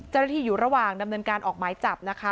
เจ้าหน้าที่อยู่ระหว่างดำเนินการออกหมายจับนะคะ